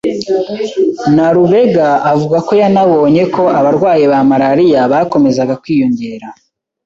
Nalubega avuga ko yanabonye ko abarwayi ba malaria bakomezaga kwiyongera